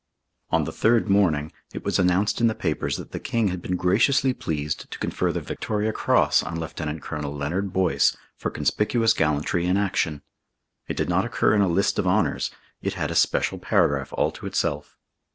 On the third morning it was announced in the papers that the King had been graciously pleased to confer the Victoria Cross on Lt. Colonel Leonard Boyce for conspicuous gallantry in action. It did not occur in a list of honours. It had a special paragraph all to itself.